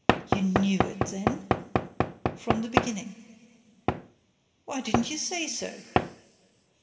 "You knew it, then?" "From the beginning." "Why didn't you say so?"